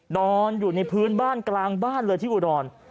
นอนอยู่ในพื้นบ้านกลางบ้านเลยที่อุดร